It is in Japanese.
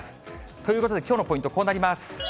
ということで、きょうのポイント、こうなります。